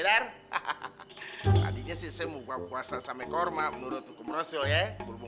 berikutnya sistem buka puasa sampai korma menurut hukum rosyonya